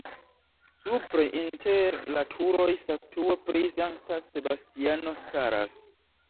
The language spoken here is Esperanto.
Supre inter la turoj statuo pri Sankta Sebastiano staras.